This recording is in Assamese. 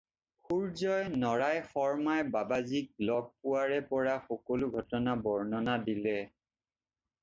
সূৰ্য্যই নৰাই শৰ্ম্মাই বাবাজীক লগ পোৱাৰে পৰা সকলো ঘটনাৰ বৰ্ণনা দিলে।